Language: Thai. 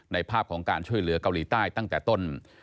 ภาพของการช่วยเหลือเกาหลีใต้ตั้งแต่ต้น